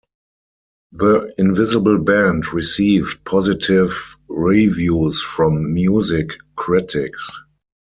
"The Invisible Band" received positive reviews from music critics.